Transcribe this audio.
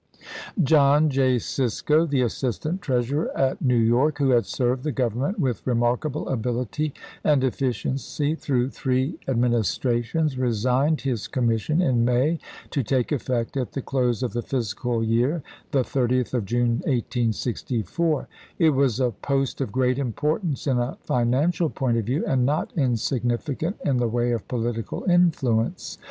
John J. Cisco, the assistant treasurer at New mi. York, who had served the G overnment with re markable ability and efficiency through three Ad ministrations, resigned his commission in May, to take effect at the close of the fiscal year, the 30th of June, 1864. It was a post of great importance in a financial point of view, and not insignificant in the way of political influence.